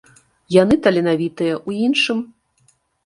Яны таленавітыя ў іншым.